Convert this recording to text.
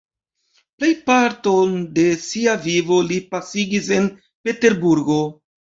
Plejparton de sia vivo li pasigis en Peterburgo.